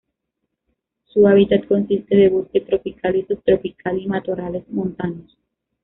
Su hábitat consiste de bosque tropical y subtropical y matorrales montanos.